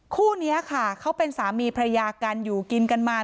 คู่นี้ค่ะเขาเป็นสามีพระยากันอยู่กินกันมา